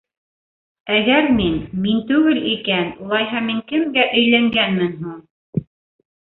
Әгәр мин —мин түгел икән, улайһа мин кемгә өйләнгәнмен һуң?